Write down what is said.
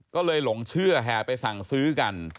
ก็เลยหลงเชื่อแห่ไปสั่งซื้อกัน